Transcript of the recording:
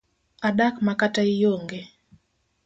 Adak makata ionge.